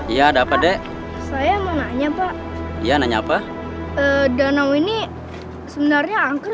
iya ada apa deh saya mau nanya pak iya nanya apa danau ini sebenarnya angker